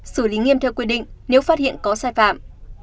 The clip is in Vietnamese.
xử lý nghiêm theo quy định nếu phát hiện có sai phạm